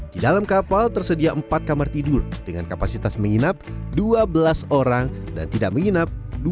di dalam kapal tersedia empat kamar tidur dengan kapasitas menginap dua belas orang dan tidak menginap